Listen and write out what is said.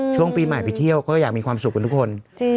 ช่วงปีใหม่ไปเที่ยวก็อยากมีความสุขกับทุกคน